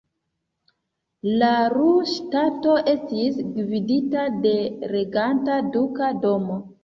La Lu-ŝtato estis gvidita de reganta duka domo.